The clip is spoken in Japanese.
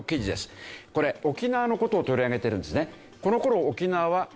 これ沖縄の事を取り上げてるんですね。